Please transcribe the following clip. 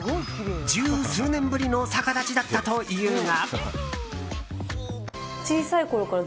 十数年ぶりの逆立ちだったというが。